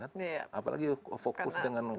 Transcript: apalagi fokus dengan covid